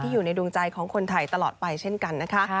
อยู่ในดวงใจของคนไทยตลอดไปเช่นกันนะคะ